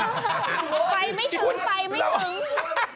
ไปไม่ถึงไปไม่ถึง